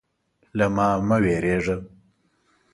_له ما مه وېرېږه.